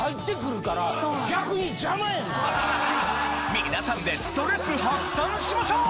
みなさんでストレス発散しましょう！